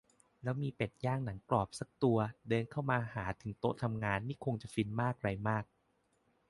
แล้วมีเป็ดย่างหนังกรอบซักตัวเดินเข้ามาหาถึงโต๊ะทำงานนี่คงจะฟินมากไรมาก